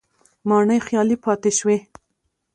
ماڼۍ خالي پاتې شوې